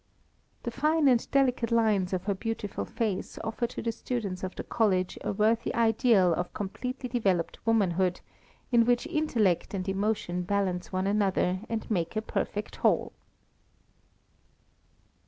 The fine and delicate lines of her beautiful face offer to the students of the College a worthy ideal of completely developed womanhood, in which intellect and emotion balance one another and make a perfect whole.